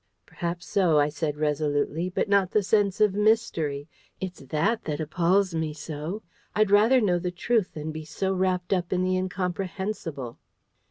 "Perhaps so," I said resolutely; "but not the sense of mystery. It's THAT that appals me so! I'd rather know the truth than be so wrapped up in the incomprehensible."